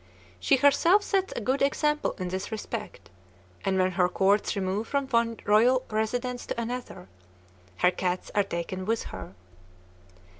She herself sets a good example in this respect, and when her courts remove from one royal residence to another, her cats are taken with her.